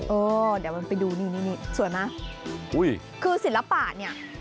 เดี๋ยวเราไปดูนี่นี่นี่สวยไหมคือศิลปะเนี่ย